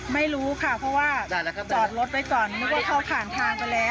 ไม่รู้ค่ะเพราะว่าจอดรถไว้ก่อนนึกว่าเขาผ่านทางไปแล้ว